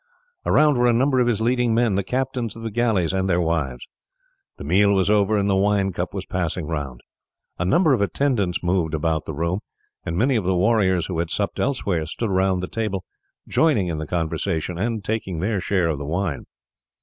Around were a number of his leading men, the captains of the galleys and their wives. The meal was over, and the winecup was passing round. A number of attendants moved about the room, and many of the warriors who had supped elsewhere stood around the table, joining in the conversation and taking their share of the wine.